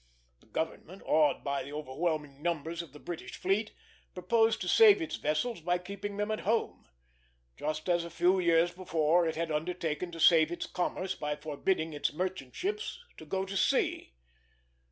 The government, awed by the overwhelming numbers of the British fleet, proposed to save its vessels by keeping them at home; just as a few years before it had undertaken to save its commerce by forbidding its merchant ships to go to sea.